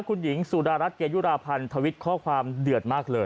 คุณหญิงสุดารัฐเกยุราพันธ์ทวิตข้อความเดือดมากเลย